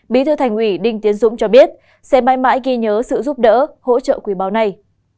bí thư thành ủy đinh tiến dũng cho biết sẽ mãi mãi ghi nhớ sự giúp đỡ hỗ trợ quý báu này